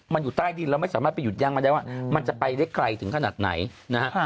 มันอยู่ใต้ดินแล้วไม่สามารถไปหยุดย่างมาได้ว่ามันจะไปได้ไกลถึงขนาดไหนนะฮะ